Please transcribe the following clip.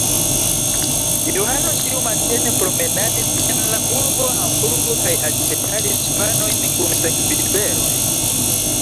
Johano ĉiumatene promenadis en la urbo Hamburgo kaj aĉetadis panojn kun sekvinberoj.